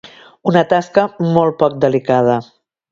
Una tasca molt poc delicada.